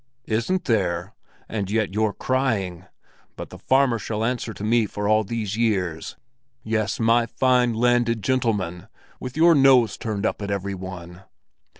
"Isn't there? And yet you're crying! But the farmer shall answer to me for all these years. Yes, my fine landed gentleman, with your nose turned up at every one!"